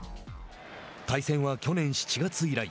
対戦は去年７月以来。